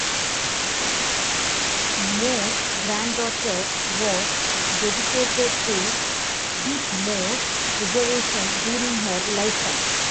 Moore's granddaughter, was dedicated to Beechmoor's preservation during her lifetime.